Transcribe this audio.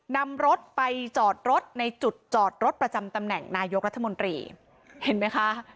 นำรถไปจอดรถในจุดจอดรถประจำตำแหน่งนายกรัฐมนตรีเห็นไหมคะ